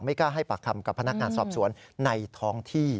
กล้าให้ปากคำกับพนักงานสอบสวนในท้องที่